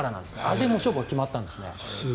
あれで勝負が決まったんですね。